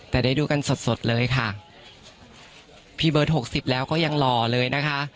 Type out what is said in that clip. แต่ได้ดูกันสดสดเลยค่ะพี่เบิร์ดหกสิบแล้วก็ยังหล่อเลยนะคะ